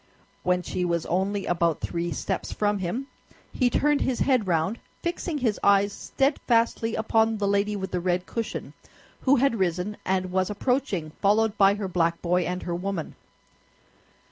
When she was only about three steps from him, he turned his head round, fixing his eyes steadfastly upon the lady with the red cushion, who had risen and was approaching, followed by her black boy and her woman.